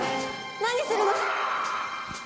何するの。